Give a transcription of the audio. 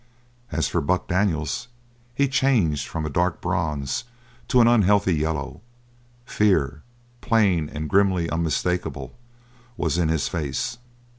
As for Buck Daniels, he changed from a dark bronze to an unhealthy yellow; fear, plain and grimly unmistakable, was in his face.